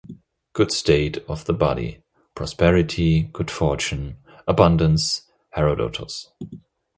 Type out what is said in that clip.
Good state of the body: prosperity, good fortune, abundance.-"Herodotus".